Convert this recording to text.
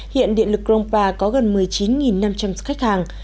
hiện điện lực krongpa có gần một mươi chín năm trăm linh khách hàng